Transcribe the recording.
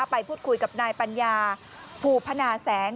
ไปพูดคุยกับนายปัญญาภูพนาแสง